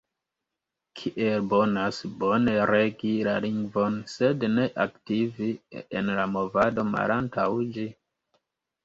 Kiel bonas bone regi la lingvon sed ne aktivi en la Movado malantaŭ ĝi?